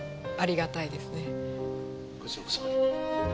こちらこそ。